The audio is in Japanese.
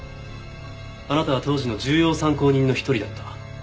あなたは当時の重要参考人の一人だった。